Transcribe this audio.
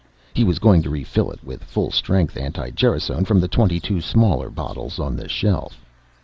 He was going to refill it with full strength anti gerasone from the 22 smaller bottles on the shelf.